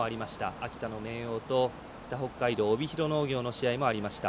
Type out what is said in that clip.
秋田の明桜と北北海道帯広農業の試合もありました。